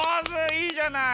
いいじゃない。